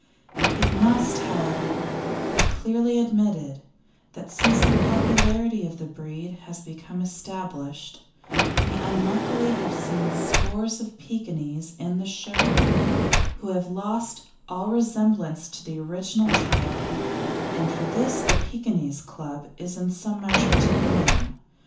It must, however, be clearly admitted that since the popularity of the breed has become established we unluckily see scores of Pekinese in the show ring who have lost all resemblance to the original type, and for this the Pekinese Club is in some measure to blame.